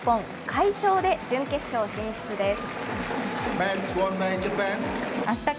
快勝で準決勝進出です。